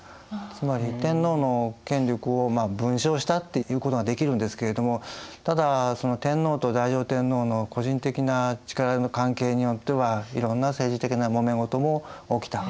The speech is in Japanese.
つまり天皇の権力を分掌したっていうことができるんですけどもただその天皇と太上天皇の個人的な力の関係によってはいろんな政治的なもめ事も起きた。